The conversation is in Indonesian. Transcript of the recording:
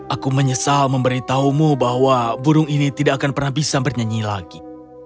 aku menyesal memberitahumu bahwa burung ini tidak akan pernah bisa bernyanyi lagi